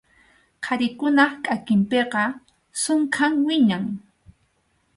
Qharikunap kʼakinpiqa sunkham wiñan.